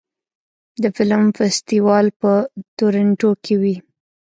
د فلم فستیوال په تورنټو کې وي.